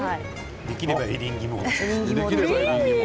できればエリンギも。